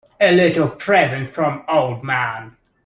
A little present from old man.